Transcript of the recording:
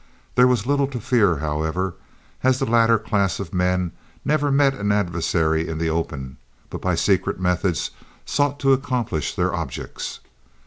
There was little to fear, however, as the latter class of men never met an adversary in the open, but by secret methods sought to accomplish their objects.